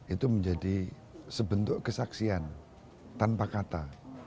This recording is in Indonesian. itu menjadi sebentuk kesaksian tanpa kata